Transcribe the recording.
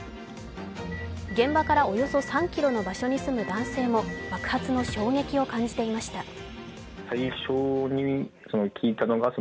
現場からおよそ３ｋｍの場所に住む男性も爆発の衝撃を感じていました。